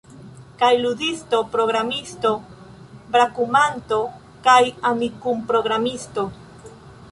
Kaj ludisto, programisto, brakumanto kaj Amikum-programisto